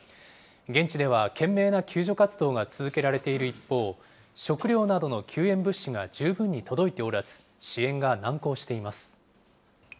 現地では、懸命な救助活動が続けられている一方、食料などの救援物資が十分に届いておらず、支援が難航しています。